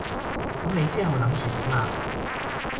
噉你之後諗住點啊？